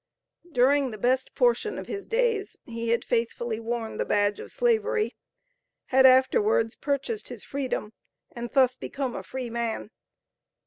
During the best portion of his days he had faithfully worn the badge of Slavery, had afterwards purchased his freedom, and thus become a free man.